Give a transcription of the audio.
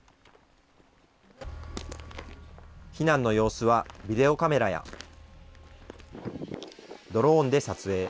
避難の様子はビデオカメラや、ドローンで撮影。